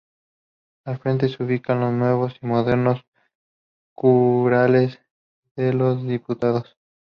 Al frente se ubican los nuevos y modernos curules de los Diputados.